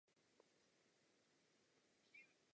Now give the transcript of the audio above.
Dotváření společného trhu musí být dokončeno.